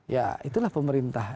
ya itulah pemerintah